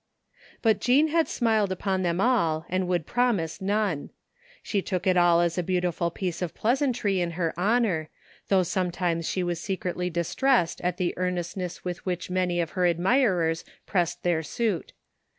But Jean had smiled upon them all and would promise none. She took it all as a beautiful piece of pleasantry in her honor, though sometimes she was secretly distressed at the earnestness with which many of her admirers pressed their suit.